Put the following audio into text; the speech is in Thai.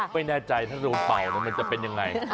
ไม่แน่ใจถ้ารู้เป่ามันจะเป็นอย่างไร